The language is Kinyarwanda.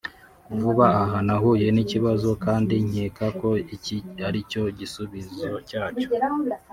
vuba aha nahuye n’ikibazo kandi nkeka ko iki aricyo gisubizo cyacyo